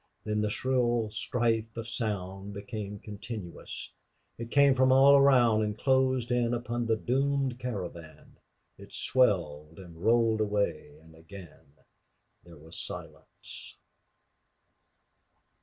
Then the shrill strife of sound became continuous; it came from all around and closed in upon the doomed caravan. It swelled and rolled away and again there was silence.